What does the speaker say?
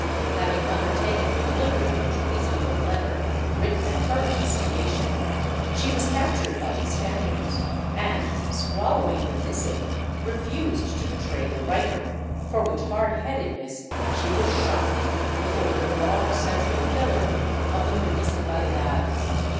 Having undertaken the delivery of a treasonable letter, written at her instigation, she was captured by the Spaniards and, swallowing the missive, refused to betray the writer, for which hard headedness she was shot before the broad, central pillar of the Mu nicipalidad.